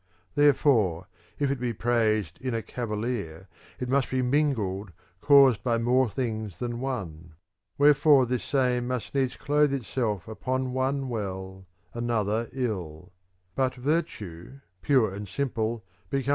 Therefore, if it be praised in a cavalier, it must be mingled, caused by more things than one ; wherefore this same needs must clothe itself upon one well another ill ; but virtue, pure and simple, becomes every man.